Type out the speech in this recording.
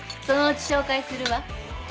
そのうち紹介するわ。